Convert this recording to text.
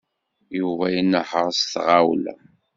Yuba inehheṛ s tɣawla.